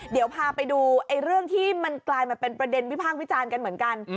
เดี๋ยวพาไปดูเรื่องที่มันกลายมาเป็นประเด็นวิพากษ์วิจารณ์กันเหมือนกัน